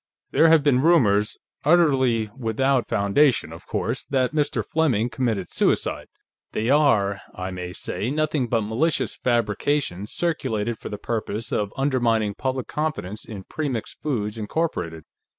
"There have been rumors utterly without foundation, of course that Mr. Fleming committed suicide. They are, I may say, nothing but malicious fabrications, circulated for the purpose of undermining public confidence in Premix Foods, Incorporated.